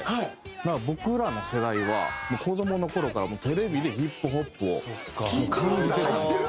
だから僕らの世代は子どもの頃からテレビでＨＩＰＨＯＰを感じてたんですよ。